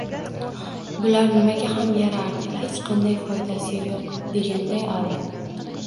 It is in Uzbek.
«Bular nimaga ham yarardi, hech qanday foydasi yo'q», deganday oldi.